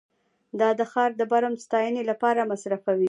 دا د ښار د برم د ستاینې لپاره مصرفوي